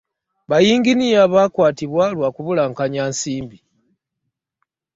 Bayinginiya bakwatiidwa lwakubulankanya nsimbi.